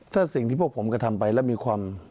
ถ้าสิ่งที่พวกผมกระทำไปแล้วมีความ